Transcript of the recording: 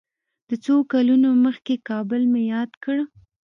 د څو کلونو مخکې کابل مې یاد کړ.